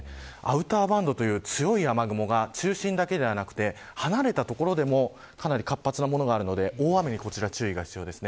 アウターバンドという強い雨雲が中心だけではなくて離れた所でも活発なものがあるので大雨に注意が必要です。